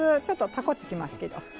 ちょっと高うつきますけど。